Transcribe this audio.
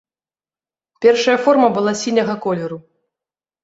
Першая форма была сіняга колеру.